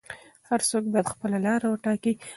هر څوک باید خپله لاره وټاکي.